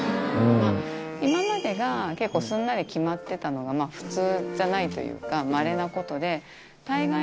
まぁ今までが結構すんなり決まってたのが普通じゃないというかまれなことで大概。